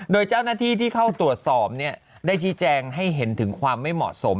โดยเจ้าหน้าที่ที่เข้าตรวจสอบได้ชี้แจงให้เห็นถึงความไม่เหมาะสม